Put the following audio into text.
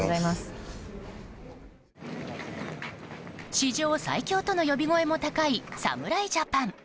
史上最強との呼び声も高い侍ジャパン。